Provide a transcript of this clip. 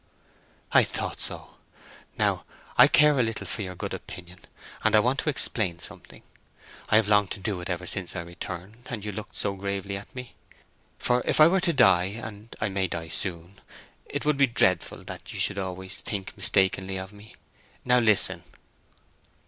"I thought so. Now, I care a little for your good opinion, and I want to explain something—I have longed to do it ever since I returned, and you looked so gravely at me. For if I were to die—and I may die soon—it would be dreadful that you should always think mistakenly of me. Now, listen."